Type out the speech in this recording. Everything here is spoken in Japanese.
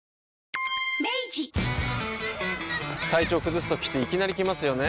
体調崩すときっていきなり来ますよね。